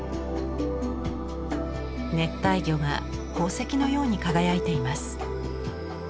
熱帯魚が宝石のように輝いています。